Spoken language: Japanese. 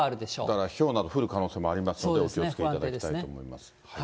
だからひょうなど降る可能性もありますので、お気をつけいたそうですね、不安定ですね。